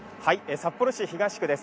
札幌市東区です。